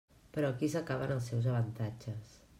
Però aquí s'acaben els seus avantatges.